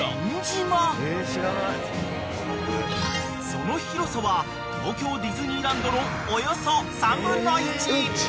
［その広さは東京ディズニーランドのおよそ］